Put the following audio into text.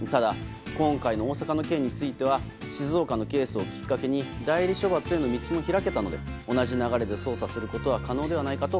ただ、今回の大阪の件については静岡のケースをきっかけに代理処罰への道も開けたので同じ流れで捜査をすることは可能ではないかと